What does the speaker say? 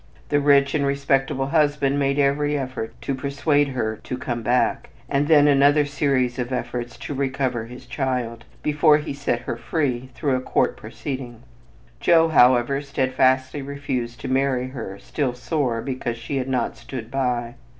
The rich and respectable husband made every effort to persuade her to come back, and then another series of efforts to recover his child, before he set her free through a court proceeding. Joe, however, steadfastly refused to marry her, still "sore" because she had not "stood by."